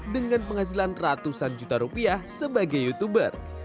dengan penghasilan ratusan juta rupiah sebagai youtuber